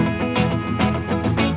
ngarang udah sar